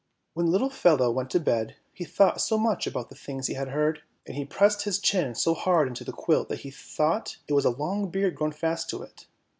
When the little fellow went to bed, he thought so much about the things he had heard, and he pressed his chin so hard into the quilt, that he thought it was a long beard grown fast to it.